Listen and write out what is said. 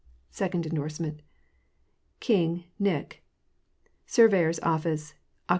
(Second endorsement. ) King, Nich'. ; Surveyor's Orrice, Oct.